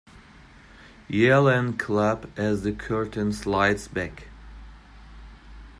Yell and clap as the curtain slides back.